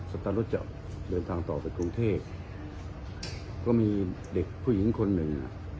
ตันรถจะเดินทางต่อไปกรุงเทพก็มีเด็กผู้หญิงคนหนึ่ง